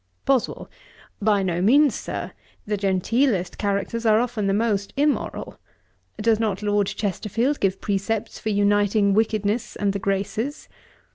BOSWELL. 'By no means, Sir. The genteelest characters are often the most immoral. Does not Lord Chesterfield give precepts for uniting wickedness and the graces?